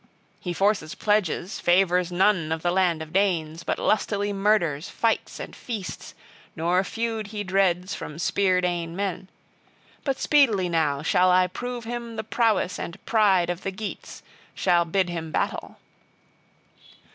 He forces pledges, favors none of the land of Danes, but lustily murders, fights and feasts, nor feud he dreads from Spear Dane men. But speedily now shall I prove him the prowess and pride of the Geats, shall bid him battle.